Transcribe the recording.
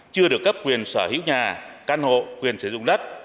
chưa được cấp quyền sở hữu nhà căn hộ quyền sử dụng đất